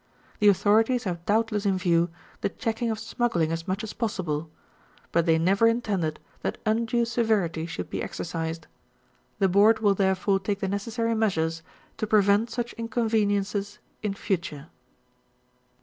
The authorities have doubtless in view the check ing of smugglinj^ as much as possible ; but they never intended that undue severity should be exercised. The Board will therefore take the necessary measures to prevent such inconveniences in future.